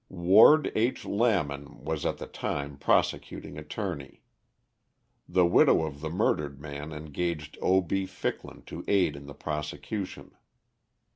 Ward H. Lamon was at the time Prosecuting Attorney. The widow of the murdered man engaged O. B. Ficklin to aid in the prosecution.